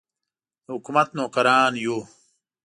د حکومت نوکران یو.